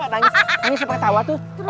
nangis seperti tawa tuh